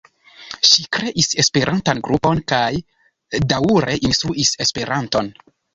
Ŝi kreis esperantan grupon kaj kaj daŭre instruis esperanton.